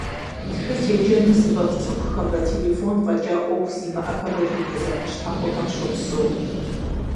Тхылъ еджэну зыфӏэфӏ цӏыхухэмрэ телефон фӏэкӏа ӏуэху зимыӏэхэмрэ дуней зэпэщхьэхухэм щопсэу.